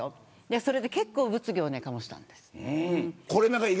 それで結構、物議を醸したんです。